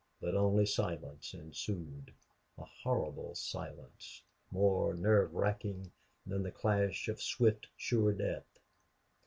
But only silence ensued, a horrible silence, more nerve racking than the clash of swift, sure death.